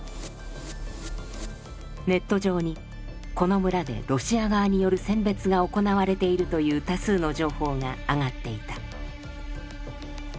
ネット上にこの村でロシア側による選別が行われているという多数の情報が上がっていた。